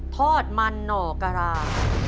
ทอดมันหน่อกะรา